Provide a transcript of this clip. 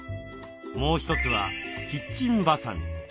もう一つはキッチンばさみ。